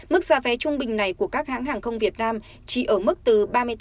mức giá vé trung bình này của các hãng hàng không việt nam chỉ ở mức từ ba mươi tám